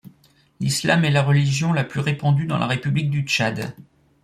L'islam est la religion la plus répandue dans la République du Tchad.